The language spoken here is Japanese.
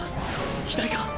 左か？